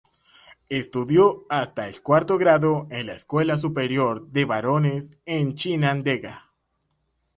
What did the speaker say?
Estudió hasta el cuarto grado en la Escuela Superior de Varones en Chinandega.